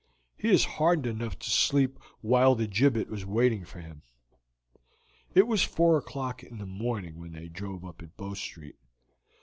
He is hardened enough to sleep while the gibbet was waiting for him." It was four o'clock in the morning when they drove up at Bow Street.